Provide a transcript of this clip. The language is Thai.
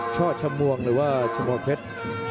ช่อชมวงหรือว่าชมวงเพชร